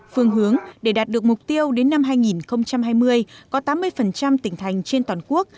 phương hướng để đạt được mục tiêu đến năm hai nghìn hai mươi có tám mươi tỉnh thành trên toàn quốc